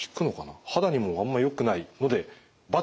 肌にもあんまよくないので×。